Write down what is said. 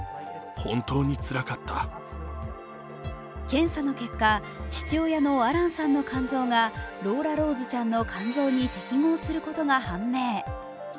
検査の結果、父親のアランさんの肝臓がローラローズちゃんの肝臓に適合することが判明。